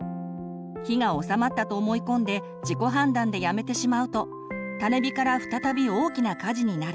火が収まったと思い込んで自己判断でやめてしまうと種火から再び大きな火事になる。